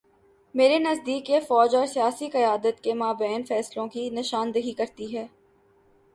میرے نزدیک یہ فوج اور سیاسی قیادت کے مابین فاصلوں کی نشان دہی کرتی ہے۔